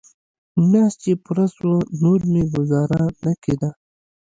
مياشت چې پوره سوه نور مې گوزاره نه کېده.